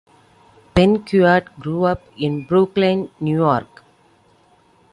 Benguiat grew up in Brooklyn, New York.